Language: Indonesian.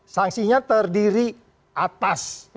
sanksinya terdiri atas